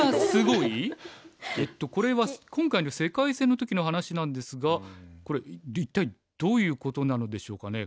えっとこれは今回の世界戦の時の話なんですがこれ一体どういうことなのでしょうかね。